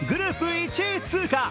１位通過。